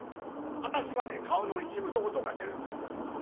私はね顔の一部で音が出るの。